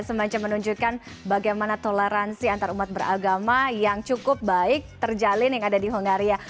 semacam menunjukkan bagaimana toleransi antarumat beragama yang cukup baik terjalin yang ada di hongaria